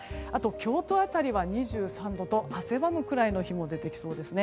京都辺りは２３度と、汗ばむくらいの日も出てきそうです。